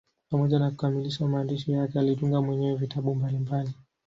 Pamoja na kukamilisha maandishi yake, alitunga mwenyewe vitabu mbalimbali.